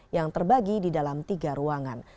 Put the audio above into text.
yang terbagi di dalam tiga ruangan